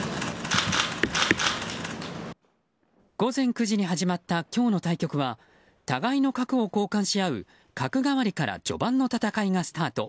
午前９時に始まった今日の対局は互いの角を交換し合う角換わりから序盤の戦いがスタート。